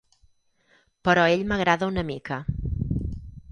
Però ell m'agrada una mica.